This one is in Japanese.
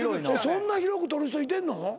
そんな広く取る人いてんの？